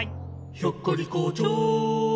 「ひょっこり校長」